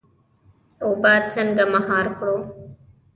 اوبه څنګه مهار کړو؟